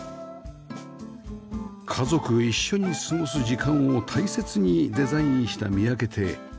家族一緒に過ごす時間を大切にデザインした三宅邸